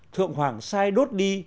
thượng hoàng sai đốt đi